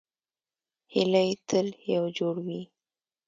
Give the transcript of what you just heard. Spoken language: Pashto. هیلۍ تل یو جوړ وي